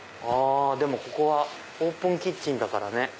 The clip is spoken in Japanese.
あでもここはオープンキッチンだからね。